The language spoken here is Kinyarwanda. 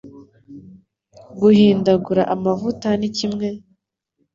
Guhindagura amavuta ni kimwe